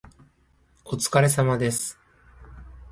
お疲れ様です